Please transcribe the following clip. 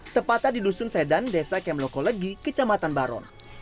tepatnya di dusun sedan desa kemlokolegi kecamatan baron